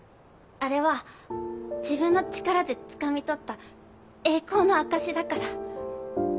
あれは自分の力でつかみ取った栄光の証しだから。